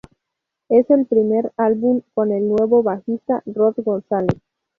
Es el primer álbum con el nuevo bajista Rod González.